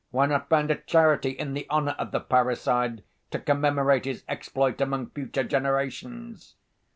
Why not found a charity in the honor of the parricide to commemorate his exploit among future generations?